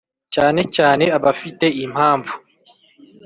cyane cyane abafite impanvu